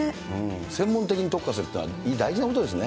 専門的に特化するっていうのは、大事なことですね。